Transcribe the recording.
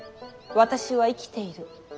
私は生きている。